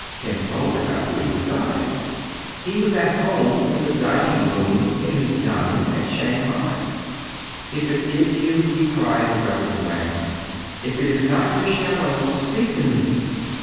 Kin Fo could not believe his eyes. He was at home in the dining room in his yamen at Shang hai. " If it is you," he cried, addressing Wang, " if it is not your shadow, speak to me